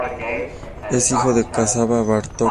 Es hijo de Csaba Bartók.